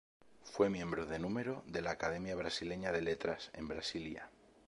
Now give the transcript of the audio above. Fue miembro de número de la Academia Brasileña de Letras, en Brasília.